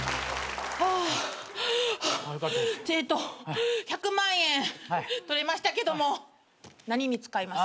ハァえっと１００万円取りましたけども何に使いますか？